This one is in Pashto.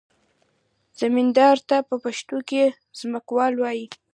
زمیندار ته په پښتو کې ځمکوال وایي.